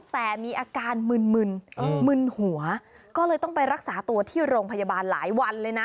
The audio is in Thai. แต่มีอาการมึนมึนมึนหัวก็เลยต้องไปรักษาตัวที่โรงพยาบาลหลายวันเลยนะ